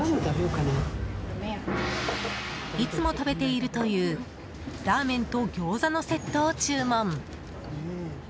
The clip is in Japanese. いつも食べているというラーメンとギョーザのセットを注文。